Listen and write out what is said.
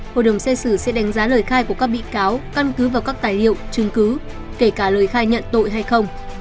hội đồng xét xử sẽ đánh giá lời khai của các bị cáo căn cứ vào các tài liệu chứng cứ kể cả lời khai nhận tội hay không